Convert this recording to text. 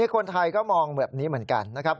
คนไทยก็มองแบบนี้เหมือนกันนะครับ